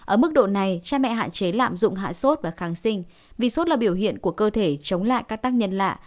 ở mức độ này cha mẹ hạn chế lạm dụng hạ sốt và kháng sinh virus là biểu hiện của cơ thể chống lại các tác nhân lạ